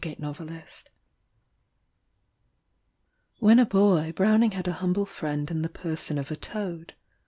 WHITE WITCHCRAFT When a boy Browning had a humble friend in the person of a toad.